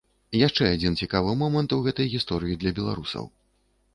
Яшчэ адзін цікавы момант у гэтай гісторыі для беларусаў.